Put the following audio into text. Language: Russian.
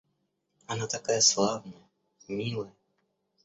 Она такая славная, милая.